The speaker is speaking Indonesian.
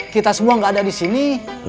kita semua nggak ada di sini